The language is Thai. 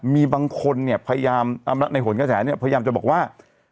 มีบางคนเนี่ยพยายามในหนกระแสเนี่ยพยายามจะบอกว่า